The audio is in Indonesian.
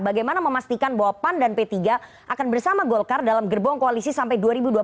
bagaimana memastikan bahwa pan dan p tiga akan bersama golkar dalam gerbong koalisi sampai dua ribu dua puluh